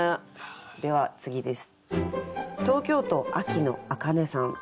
では次です。